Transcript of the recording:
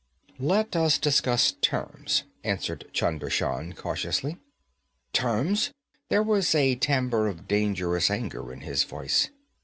'Let us discuss terms,' answered Chunder Shan cautiously. 'Terms?' There was a timbre of dangerous anger in his voice.